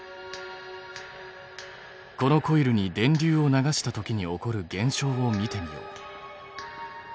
このコイルに電流を流したときに起こる現象を見てみよう。